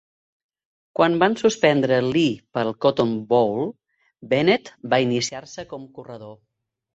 Quan van suspendre Lee pel Cotton Bowl, Bennett va iniciar-se com corredor.